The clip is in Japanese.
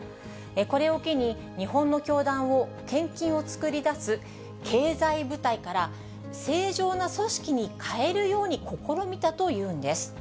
これを機に、日本の教団を献金を作り出す経済部隊から、正常な組織に変えるように試みたというんです。